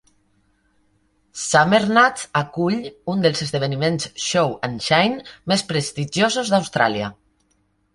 Summernats acull un dels esdeveniments Show and Shine més prestigiosos d'Austràlia.